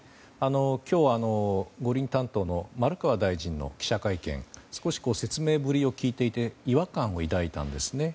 今日、五輪担当の丸川大臣の記者会見少し説明ぶりを聞いていて違和感を抱いたんですね。